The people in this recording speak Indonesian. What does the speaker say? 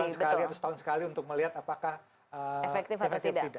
enam bulan sekali atau setahun sekali untuk melihat apakah efektif atau tidak